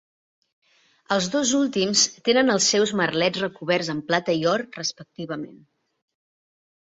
Els dos últims tenen els seus merlets recoberts amb plata i or, respectivament.